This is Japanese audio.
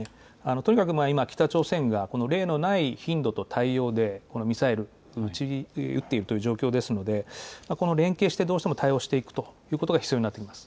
とにかく今、北朝鮮がこの例のない頻度と対応で、ミサイル撃っているという状況ですので、この連携してどうしても対応していくということが必要になってきます。